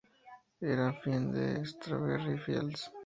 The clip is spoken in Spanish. Era el fin de Strawberry Fields.